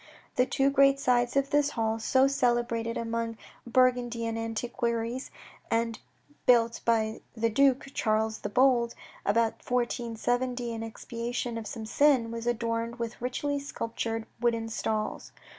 The two great sides of this hall, so celebrated among Burgundian antiquaries, and built by the Duke, Charles the Bold, about 1470 in expiation of some sin, were adorned with richly sculptured wooden stalls.